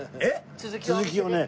続きをね